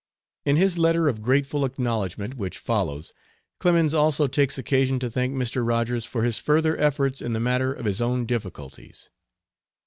In his letter of grateful acknowledgment, which follows, Clemens also takes occasion to thank Mr. Rogers for his further efforts in the matter of his own difficulties.